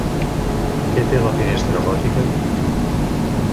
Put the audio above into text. Què té la finestra gòtica?